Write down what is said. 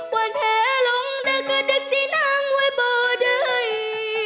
ว่าแหลงเดือดกดึกที่นั้นว่าไม่ได้